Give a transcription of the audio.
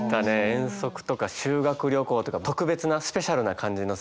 遠足とか修学旅行とか特別なスペシャルな感じのする。